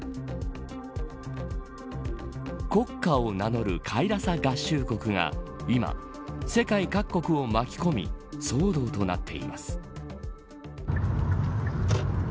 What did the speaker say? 国家を名乗るカイラサ合衆国が今、世界各国を巻き込み騒動となっています。